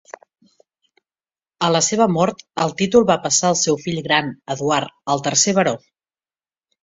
A la seva mort, el títol va passar al seu fill gran, Eduard, el tercer baró.